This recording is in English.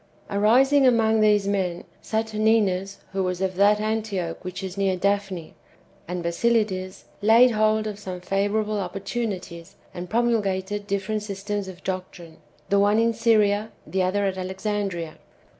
Arising among these men, Saturninus (who was of that Antioch wdiich is near Daphne) and Basilides laid hold of some favourable opportunities, and promulgated different systems of doctrine — the one in Syria, the other at Alex andria.